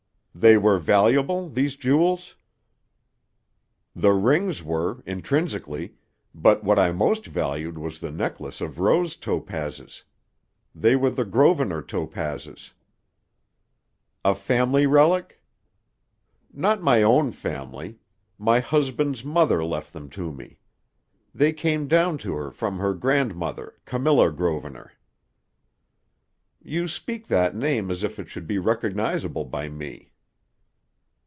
"They were valuable, these jewels?" "The rings were, intrinsically, but what I most valued was the necklace of rose topazes. They were the Grosvenor topazes." "A family relic?" "Not my own family. My husband's mother left them to me. They came down to her from her grandmother, Camilla Grosvenor." "You speak that name as if it should be recognizable by me."